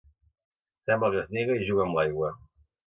Sembla que es nega i juga amb l'aigua.